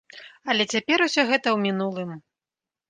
Але цяпер усё гэта ў мінулым.